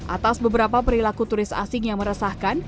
atas beberapa perilaku turis asing yang meresahkan